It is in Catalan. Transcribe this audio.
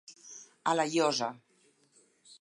A la llosa.